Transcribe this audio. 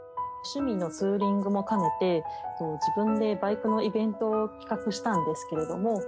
趣味のツーリングも兼ねて自分でバイクのイベントを企画したんですけれども。